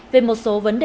về một số vấn đề